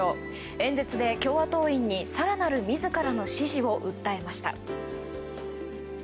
演説で共和党員に更なる自らの支持を訴えました。